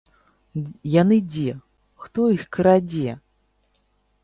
Яны дзе, хто іх крадзе?